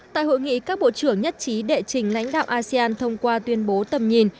tại hội nghị các bộ trưởng nhất trí đệ trình lãnh đạo asean thông qua tuyên bố tầm nhìn